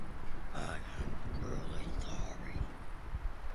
I am truly sorry.